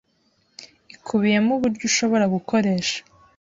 ikubiyemo uburyo ushobora gukoresha